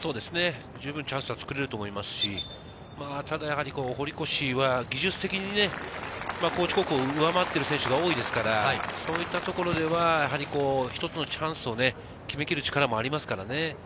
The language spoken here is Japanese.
十分チャンスはつくれると思いますし、ただ堀越は技術的に、高知高校を上回っている選手が多いですから、そういうところでは一つのチャンスを決めきる力もありますからね。